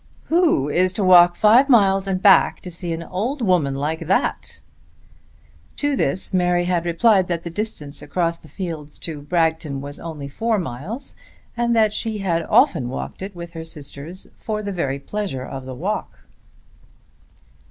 "Who is to walk five miles and back to see an old woman like that?" To this Mary had replied that the distance across the fields to Bragton was only four miles and that she had often walked it with her sisters for the very pleasure of the walk.